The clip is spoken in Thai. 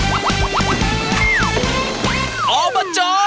เอาบ้าจอ